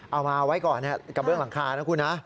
เอาไว้ก่อนกระเบื้องหลังคานะคุณนะ